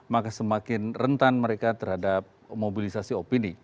maka semakin rentan mereka terhadap mobilisasi opini